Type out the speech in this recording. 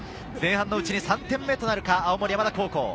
前半のうちに３点目となるか、青森山田高校。